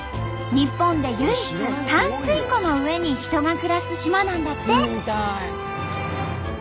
日本で唯一淡水湖の上に人が暮らす島なんだって！